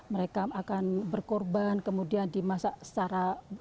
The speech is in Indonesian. mereka akan berkorban kemudian dimasak secara